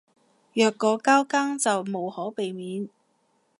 若果交更就無可避免